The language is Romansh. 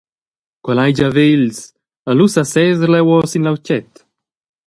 Quel ei gia vegls e lu sas seser leuora sin lautget.